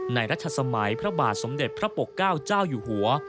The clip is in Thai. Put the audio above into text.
รัชสมัยพระบาทสมเด็จพระปกเก้าเจ้าอยู่หัว